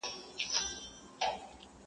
دا ملنګ سړی چي نن خویونه د باچا کوي,